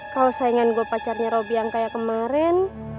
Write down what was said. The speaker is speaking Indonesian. kalau saingan gue pacarnya roby yang kayak kemarin